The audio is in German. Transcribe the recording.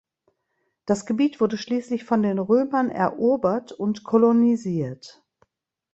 Das Gebiet wurde schließlich von den Römern erobert und kolonisiert.